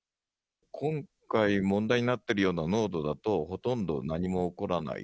今回、問題になっているような濃度だと、ほとんど何も起こらない。